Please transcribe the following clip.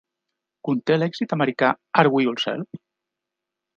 Conté l'èxit americà "Are We Ourselves?"